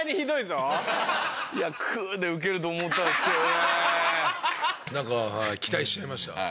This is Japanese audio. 「くぅ」でウケると思ったんですけどね。